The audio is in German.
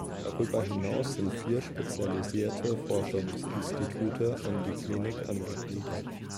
Darüber hinaus sind vier spezialisierte Forschungsinstitute an die Klinik angegliedert.